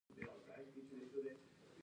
د کلام علم په اسلامي تمدن کې خپل ځای پیدا کړ.